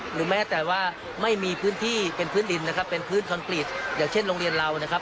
แม้แต่ว่าไม่มีพื้นที่เป็นพื้นดินนะครับเป็นพื้นคอนกรีตอย่างเช่นโรงเรียนเรานะครับ